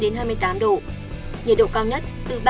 nhiệt độ cao nhất từ ba mươi bốn ba mươi bảy độ